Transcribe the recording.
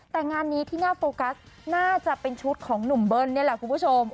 แต่งานนี้ที่น่าโฟกัสน่าจะเป็นชุดของหนุ่มเบิ้ลนี่แหละคุณผู้ชม